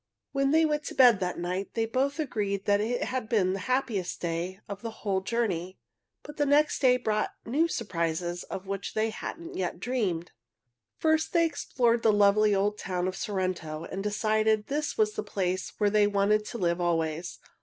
When they went to bed that night they both agreed that it had been the happiest day of the whole journey. But the next day brought new surprises of which they hadn't yet dreamed. First they explored the lovely old town of Sorrento, and decided this was the place where they wanted to live always.